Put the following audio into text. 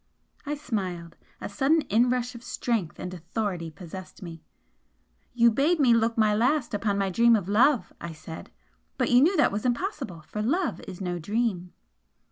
I smiled. A sudden inrush of strength and authority possessed me. "You bade me look my last upon my dream of Love!" I said "But you knew that was impossible, for Love is no dream!"